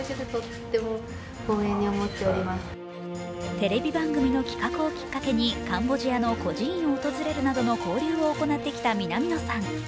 テレビ番組の企画をきっかけにカンボジアの孤児院を訪れるなどの交流を行ってきた、南野さん。